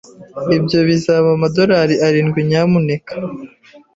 Ibyo bizaba amadorari arindwi, nyamuneka.